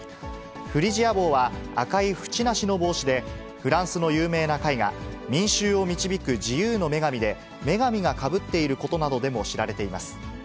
フリジア帽は赤い縁なしの帽子で、フランスの有名な絵画、民衆を導く自由の女神で、女神がかぶっていることなどでも知られています。